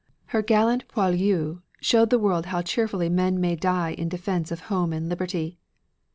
Her gallant poilus showed the world how cheerfully men may die in defense of home and liberty.